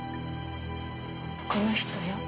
この人よ。